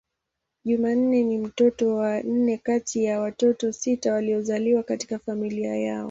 Jumanne ni mtoto wa nne kati ya watoto sita waliozaliwa katika familia yao.